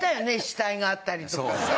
死体があったりとかさ。